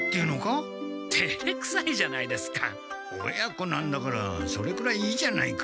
親子なんだからそれくらいいいじゃないか。